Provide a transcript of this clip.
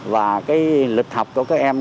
và lịch học của các em